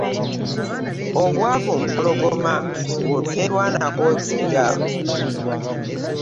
Obwavu mpologoma bw'oterwanako ekulya.